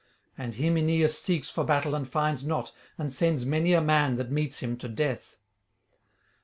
And him Aeneas seeks for battle and finds not, and sends many a man that meets him to death.